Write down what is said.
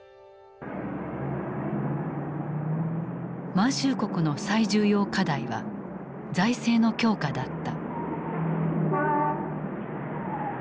満州国の最重要課題は財政の強化だった。